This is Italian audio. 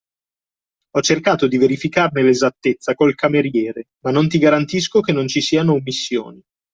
Ho cercato di verificarne l'esattezza col cameriere, ma non ti garantisco che non ci siano omissioni.